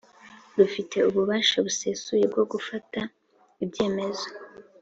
Rufite ububasha busesuye bwo gufata ibyemezo